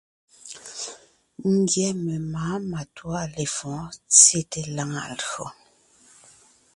Ńgyɛ́ memáa matûa lefɔ̌ɔn tsyete lǎŋa lÿò.